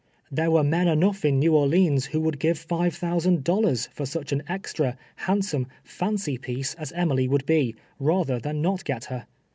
There were men enough in New Orleans who would give fiv^e thousand dollars for such an extra, handsome, fancy piece as Emily would be, rather than not get her.